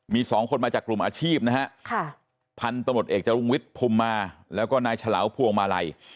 มีสองคนมาจากกลุ่มอาชีพนะฮะพันธุ์ตำรวจเอกจรุงวิทย์ภูมิมาแล้วก็นายฉลาวพวงมาลัย